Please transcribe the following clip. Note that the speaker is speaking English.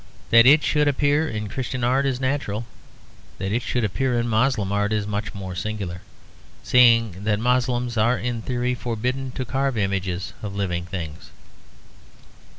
That it should appear in Christian art is natural; that it should appear in Moslem art is much more singular, seeing that Moslems are in theory forbidden so to carve images of living things.